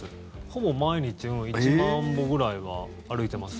ほぼ毎日１万歩くらいは歩いてます。